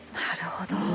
なるほど。